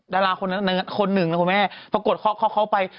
ดาราคนหนึ่งนะคุณแม่ปรากฏเข้าไป